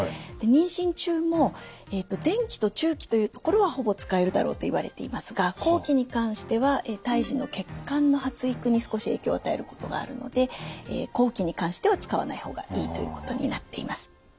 妊娠中も前期と中期というところはほぼ使えるだろうといわれていますが後期に関しては胎児の血管の発育に少し影響を与えることがあるので後期に関しては使わないほうがいいということになっています。